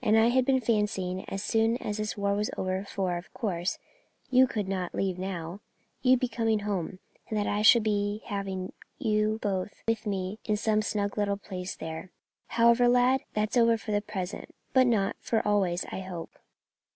And I had been fancying as soon as this war was over for, of course, you could not leave now you would be coming home, and I should be having you both with me in some snug little place there. However, lad, that's over for the present; but not for always, I hope.